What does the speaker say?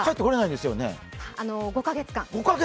５カ月間。